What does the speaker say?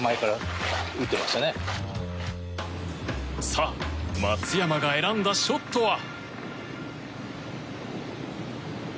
さあ、松山が選んだショットは。